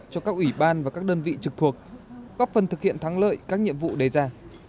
cho các ủy ban và các đơn vị trực thuộc góp phần thực hiện thắng lợi các nhiệm vụ đề ra